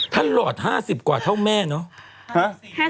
หลอด๕๐กว่าเท่าแม่เนาะ